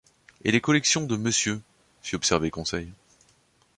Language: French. Et les collections de monsieur ? fit observer Conseil.